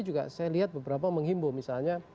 juga saya lihat beberapa menghimbo misalnya